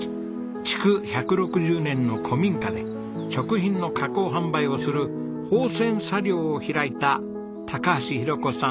築１６０年の古民家で食品の加工販売をする芳泉茶寮を開いた橋裕子さん